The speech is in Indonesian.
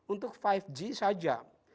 untuk lima g saja